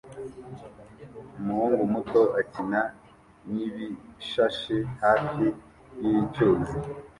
Umuhungu muto akina n'ibishashi hafi yicyuzi